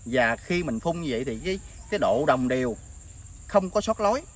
và khi mình phun như vậy thì độ đồng điều không có sót lối